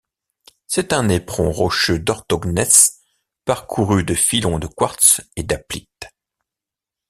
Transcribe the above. C'est un éperon rocheux d'orthogneiss parcouru de filons de quartz et d'aplite.